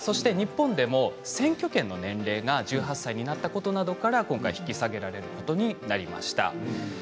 日本でも選挙権の年齢が１８歳になったことで今回引き下げられることになりました。